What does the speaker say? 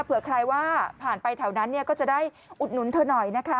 เผื่อใครว่าผ่านไปแถวนั้นก็จะได้อุดหนุนเธอหน่อยนะคะ